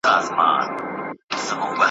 عمر تېر سو وېښته سپین سول ځواني وخوړه کلونو `